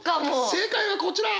正解はこちら！